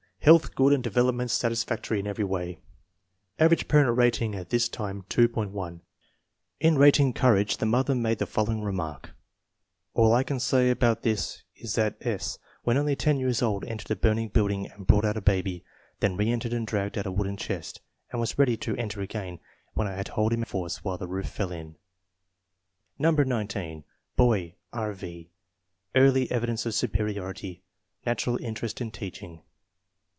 Health good and development satis factory in every way. Average parent rating at this time, 2.10. In rating courage the mother made the following remark: " All I can say about this is that S. when only 10 years old entered a burning house and brought out a baby, then reentered and dragged out a wooden chest, and was ready to enter again when I had to hold hi outside by force while the roof fell No. 19. Boy: R. V. Early evidence of superiority. Natural interest in teaching.